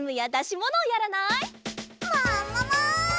ももも！